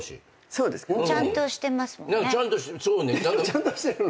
ちゃんとしてるの？